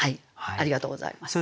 ありがとうございます。